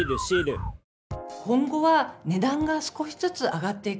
今後は値段が少しずつ上がっていく